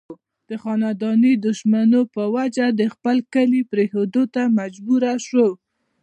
د خانداني دشمنو پۀ وجه د خپل کلي پريښودو ته مجبوره شو